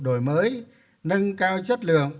đổi mới nâng cao chất lượng